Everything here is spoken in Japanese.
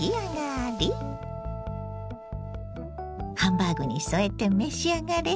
ハンバーグに添えて召し上がれ。